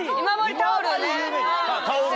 タオル。